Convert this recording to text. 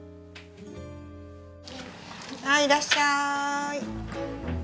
はいいらっしゃーい。